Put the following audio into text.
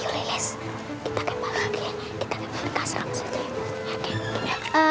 kita kembali ke asrama saja ya